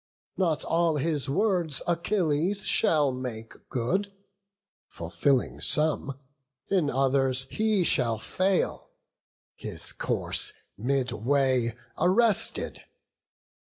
Not all his words Achilles shall make good; Fulfilling some, in others he shall fail, His course midway arrested.